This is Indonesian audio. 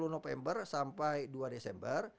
sepuluh november sampai dua desember